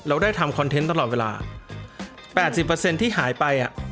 เราได้ทำคอนเทนต์ตลอดเวลาแปดสิบเปอร์เซ็นต์ที่หายไปอ่ะ